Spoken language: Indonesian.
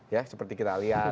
ya seperti kita lihat